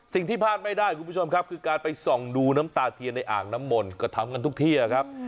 สิ่งที่พลาดไม่ได้คุณผู้ชมครับคือการไปส่องดูน้ำตาเทียนในอ่างน้ำมนต์ก็ทำกันทุกที่ครับ